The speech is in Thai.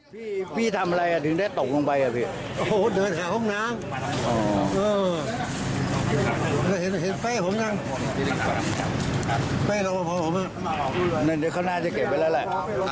พี่ทำอะไรถึงได้ตกลงไป